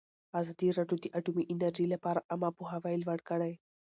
ازادي راډیو د اټومي انرژي لپاره عامه پوهاوي لوړ کړی.